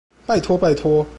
拜託拜託